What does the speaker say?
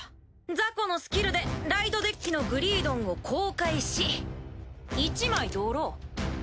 ザコのスキルでライドデッキのグリードンを公開し一枚ドロー。